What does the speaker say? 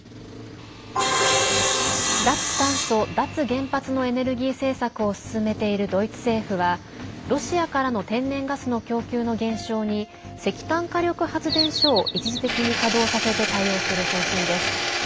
脱炭素・脱原発のエネルギー政策を進めているドイツ政府はロシアからの天然ガスの供給の減少に石炭火力発電所を一時的に稼働させて対応する方針です。